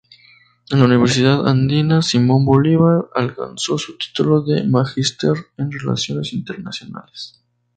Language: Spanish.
En la Universidad Andina Simón Bolívar alcanzó su título de Magister en Relaciones Internacionales.